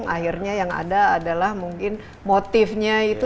akhirnya yang ada adalah mungkin motifnya itu